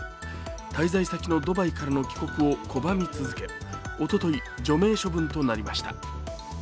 滞在先のドバイからの帰国を拒み続け、おととい、除名処分となりました。